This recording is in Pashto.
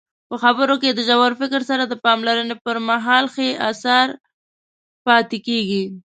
په خبرو کې د ژور فکر سره د پاملرنې پرمهال ښې اثار پاتې کیږي.